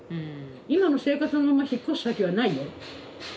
今の生活のまま引っ越す先はないよ。